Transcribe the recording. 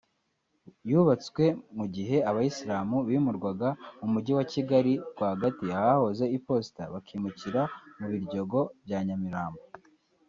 yubatswe mu gihe Abayisiramu bimurwaga mu Mujyi wa Kigali rwagati ahahoze iposita bakimukira mu Biryogo bya Nyamirambo